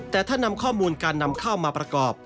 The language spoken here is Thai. แต่ถ้านำข้อมูลการนำเข้ามาประกอบ